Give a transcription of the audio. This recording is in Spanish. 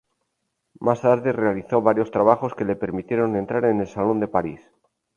Más tarde realizó varios trabajos que le permitieron entrar en el Salón de París.